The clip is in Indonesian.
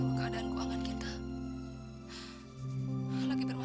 sampai jumpa di video selanjutnya